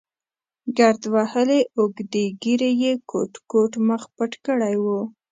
ګرد وهلې اوږدې ږېرې یې کوت کوت مخ پټ کړی و.